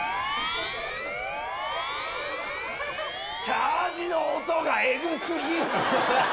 チャージの音がエグ過ぎる。